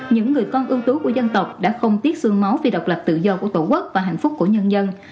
những người con ưu tú của dân tộc đã không tiếc sương máu vì độc lập tự do của tổ quốc và hạnh phúc của nhân dân